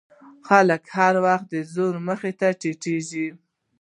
خلک هر وخت د زور مخې ته ټیټېږي.